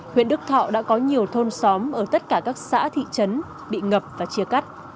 huyện đức thọ đã có nhiều thôn xóm ở tất cả các xã thị trấn bị ngập và chia cắt